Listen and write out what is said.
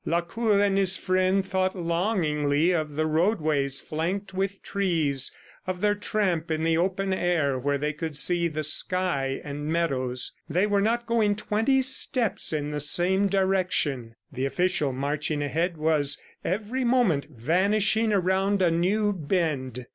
Lacour and his friend thought longingly of the roadways flanked with trees, of their tramp in the open air where they could see the sky and meadows. They were not going twenty steps in the same direction. The official marching ahead was every moment vanishing around a new bend.